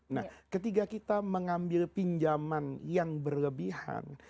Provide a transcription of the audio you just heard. nah ketika kita mengambil pinjaman yang berlebihan